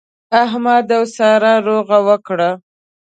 احمد او سارا روغه وکړه.